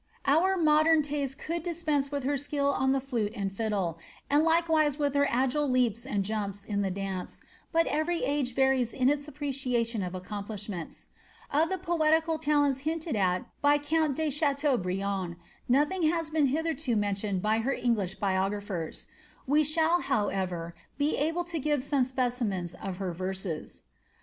Onr modern taste conld dispense with her skill on the Ante 8n< and likewise with her agile leaps and jumps in the dance, bnt e^ varies in its appreciation of accomplishments. Of the poetical hinted at by count de Chateaubriant, nothing has been hitlierl tioned by her English biographers ; we shall, however, be able some specimens of her verses.